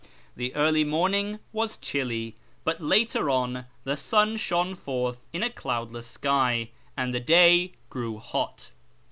The early morning was chilly, but later on the sun shone forth in a cloudless sky, and the day grew hot.